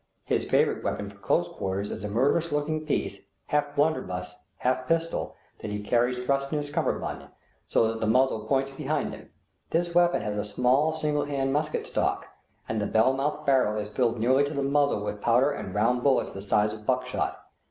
His favorite weapon for close quarters is a murderous looking piece, half blunderbuss, half pistol, that he carries thrust in his kammerbund, so that the muzzle points behind him. This weapon has a small single hand musket stock, and the bell mouthed barrel is filled nearly to the muzzle with powder and round bullets the size of buckshot.